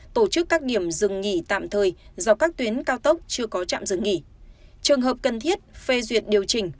tổ chức các điểm dừng nghỉ tạm thời do các tuyến cao tốc chưa có trạm dừng nghỉ trường hợp cần thiết phê duyệt điều chỉnh